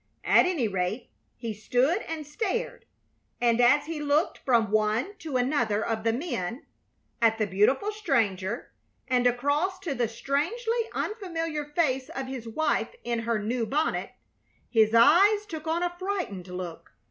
At any rate, he stood and stared, and as he looked from one to another of the men, at the beautiful stranger, and across to the strangely unfamiliar face of his wife in her new bonnet, his eyes took on a frightened look.